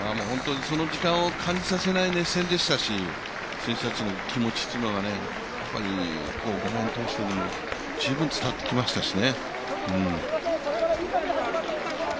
その時間を感じさせない熱戦でしたし、選手たちの気持ちというのが、画面を通して十分伝わってきましたしね。